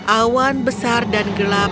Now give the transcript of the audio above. awan besar dan gelap